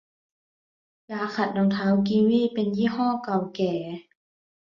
ยาขัดรองเท้ากีวีเป็นยี่ห้อเก่าแก่